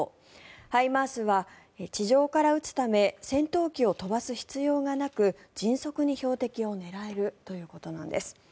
ＨＩＭＡＲＳは地上から撃つため戦闘機を飛ばす必要がなく迅速に標的を狙えるということなんです。